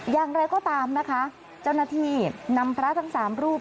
อย่างไรก็ตามนะคะเจ้าหน้าที่นำพระทั้ง๓รูป